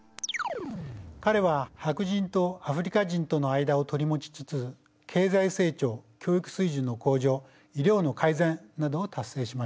彼は白人とアフリカ人との間を取り持ちつつ経済成長教育水準の向上医療の改善などを達成しました。